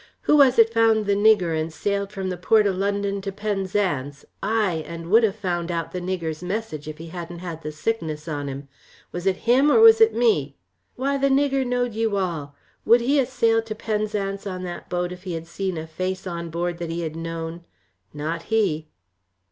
"Who was it found the nigger and sailed from the port o' London to Penzance, ay, and would ha' found out the nigger's message if he hadn't had the sickness on him. Was it him or was it me? Why the nigger knowed you all! Would he ha' sailed to Penzance on that boat if he had seen a face on board that he had known? not he."